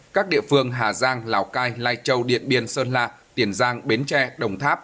các địa phương hà giang lào cai lai châu điện biên sơn la tiền giang bến tre đồng tháp